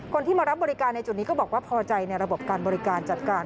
คนที่มารับบริการในจุดนี้ก็บอกว่าพอใจในระบบการบริการจัดการ